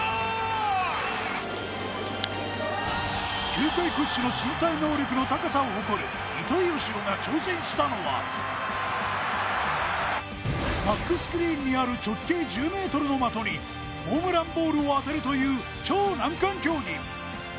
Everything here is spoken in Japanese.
球界屈指の身体能力の高さを誇る糸井嘉男が挑戦したのはバックスクリーンにある直径１０ｍの的にホームランボールを当てるという超難関競技。